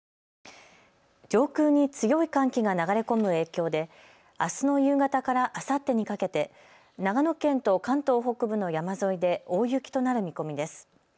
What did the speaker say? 上空に強い寒気が流れ込む影響であすの夕方からあさってにかけて長野県と関東北部の山沿いで大雪となる見込みです。